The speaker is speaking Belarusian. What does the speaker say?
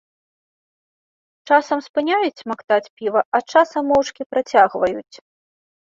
Часам спыняюць смактаць піва, а часам моўчкі працягваюць.